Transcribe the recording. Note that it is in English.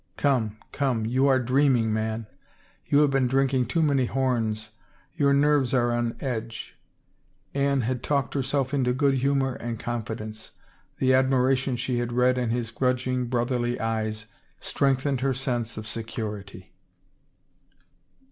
Come, come, you are dreaming, man. You have been drinking too many horns — your nerves are on edge." Anne had talked herself into good humor and confidence. The admiration she had read in his grudging, brotherly eyes strengthened her sense of se curity.